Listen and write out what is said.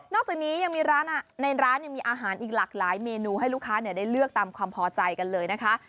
อกจากนี้ยังมีร้านในร้านยังมีอาหารอีกหลากหลายเมนูให้ลูกค้าได้เลือกตามความพอใจกันเลยนะคะ